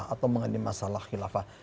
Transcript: atau mengenai masalah khilafah